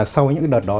sau những đợt đó